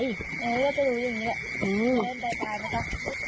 เอ๊ผมจะสรุปทางนี้